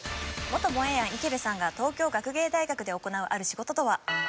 元モエヤン池辺さんが東京学芸大学で行うある仕事とは？